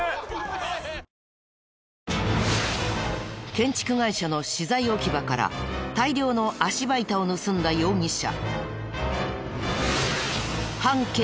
建築会社の資材置き場から大量の足場板を盗んだ容疑者。